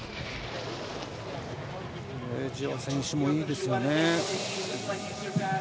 ジワ選手もいいですよね。